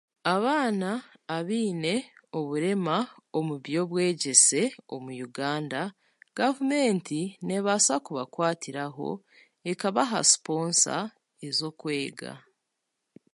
Abaana abaine oburema omu byobwegyese omu Uganda, gavumenti neebaasa kubakwatiraho, ekabaha siponsa ez'okwega.